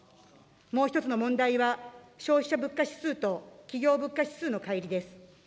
もう１つの問題は、消費者物価指数と企業物価指数のかい離です。